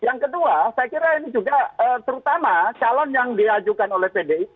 yang kedua saya kira ini juga terutama calon yang diajukan oleh pdip